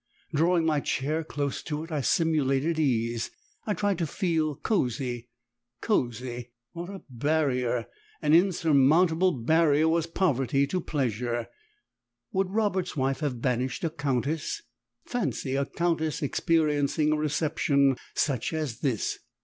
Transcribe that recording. Drawing my chair close to it I simulated ease; I tried to feel cosy! Cosy! What a barrier, an insurmountable barrier, was poverty to pleasure! Would Robert's wife have banished a countess? Fancy a countess experiencing a reception such as this!